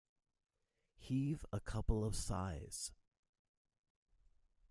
Heave a couple of sighs.